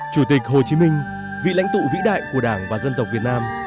chủ tịch hồ chí minh vị lãnh tụ vĩ đại của đảng và dân tộc việt nam